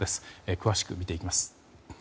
詳しく見ていきます。